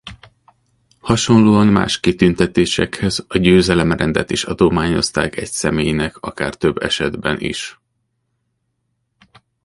Hasonlóan más kitüntetésekhez a Győzelem-rendet is adományozták egy személynek akár több esetben is.